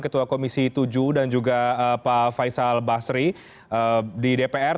ketua komisi tujuh dan juga pak faisal basri di dpr